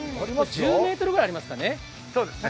１０ｍぐらいありますかね。